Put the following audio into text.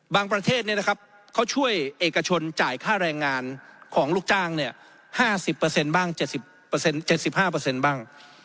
บางประเทศเขาช่วยเอกชนจ่ายค่าแรงงานของลูกจ้าง๕๐บ้าง๗๕บ้าง